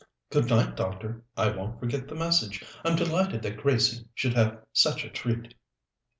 "Good night, doctor. I won't forget the message. I'm delighted that Gracie should have such a treat."